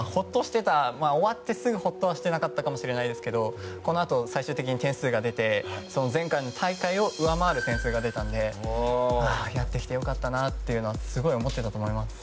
終わってすぐほっとはしてなかったかもしれないですけどこのあと最終的に点数が出て前回の大会を上回る点数が出たのでやってきて良かったなっていうのはすごい思っていたと思います。